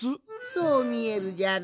そうみえるじゃろ？